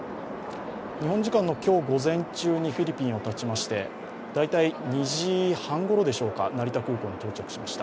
日本時間の今日午前中にフィリピンを発ちまして大体２時半ごろでしょうか成田空港に到着しました。